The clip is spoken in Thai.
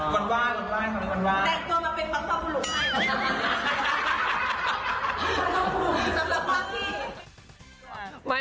ว่านวาของว่าย